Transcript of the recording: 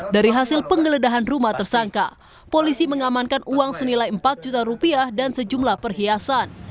dari hasil penggeledahan rumah tersangka polisi mengamankan uang senilai empat juta rupiah dan sejumlah perhiasan